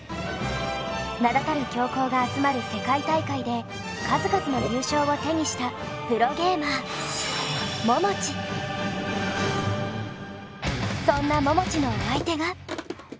名だたる強豪が集まる世界大会で数々の優勝を手にしたプロゲーマーそんなももちのお相手が。